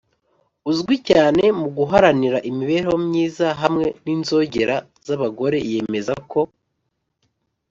uzwi cyane mu guharanira imibereho myiza hamwe n’inzogera z’abagore yemeza ko,